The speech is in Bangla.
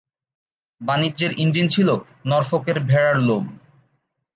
বাণিজ্যের ইঞ্জিন ছিল নরফোকের ভেড়ার লোম।